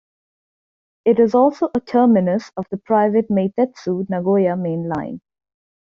It is also a terminus of the private Meitetsu Nagoya Main Line.